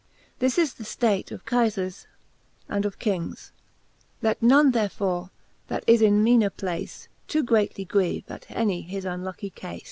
This his the ftate of Kealars and of Kings, Let none therefore, that is in meaner place, Too greatly grieve at any his unlucky cafe.